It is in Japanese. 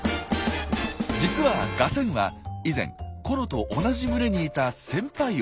実はガセンは以前コロと同じ群れにいた先輩オス。